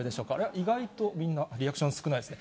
意外とみんな、リアクション少ないですね。